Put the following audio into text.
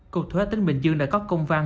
cục thuế tỉnh bình dương đã có công văn